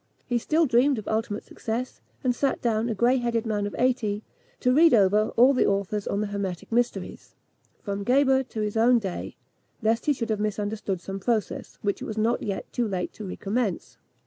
He still dreamed of ultimate success, and sat down a grey headed man of eighty, to read over all the authors on the hermetic mysteries, from Geber to his own day, lest he should have misunderstood some process, which it was not yet too late to recommence.